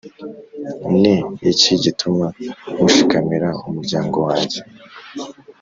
Ni iki gituma mushikamira umuryango wanjye,